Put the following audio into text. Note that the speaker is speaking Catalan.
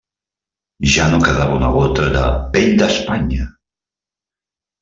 Ja no quedava una gota de «pell d'Espanya»!